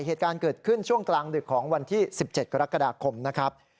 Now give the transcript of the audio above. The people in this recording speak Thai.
เหตุการณ์เกิดขึ้นช่วงกลางดึกของวันที่๑๗กรกฎาคมนะครับ